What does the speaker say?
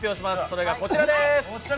それがこちらです。